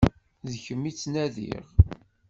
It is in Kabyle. D kemm i ttnadiɣ.